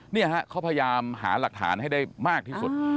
นี่ฮะเขาพยายามหาหลักฐานให้ได้มากที่สุด